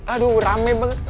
aduh rame banget